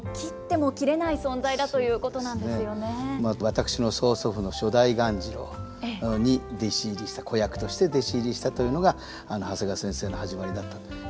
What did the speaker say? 私の曽祖父の初代鴈治郎に弟子入りした子役として弟子入りしたというのが長谷川先生の始まりだったと。